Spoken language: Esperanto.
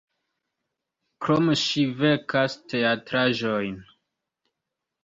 Krome ŝi verkas teatraĵojn.